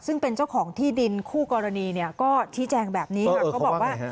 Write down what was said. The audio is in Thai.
ซึ่งเป็นเจ้าของที่ดินคู่กรณีก็ที่แจงแบบนี้ค่ะ